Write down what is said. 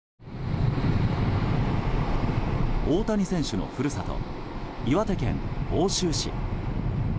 大谷選手の故郷、岩手県奥州市。